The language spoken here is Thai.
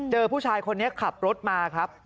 ผู้ชายคนนี้ขับรถมาครับ